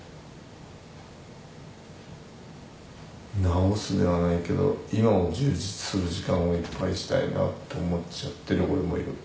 「治す」ではないけど今を充実する時間をいっぱい持ちたいなって思っちゃってる俺もいる。